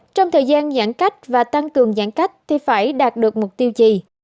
trong thời gian giãn cách và tăng cường giãn cách thì phải đạt được mục tiêu gì